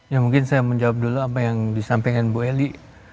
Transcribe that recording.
ya mungkin saya menjawab dulu apa yang disampaikan bu eli